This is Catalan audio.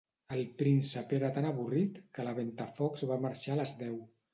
El príncep era tan avorrit que la Ventafocs va marxar a les deu.